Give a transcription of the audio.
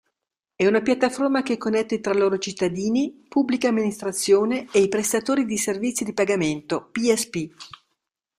È una piattaforma che connette tra loro cittadini, Pubblica Amministrazione e i Prestatori di Servizi di Pagamento (PSP).